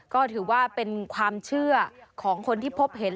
ก็ถือว่าเป็นความเชื่อของคนที่พบเห็น